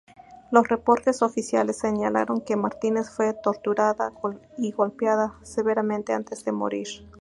Los reportes oficiales señalaron que Martínez fue torturada y golpeada severamente antes de morir.